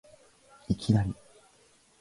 いきなり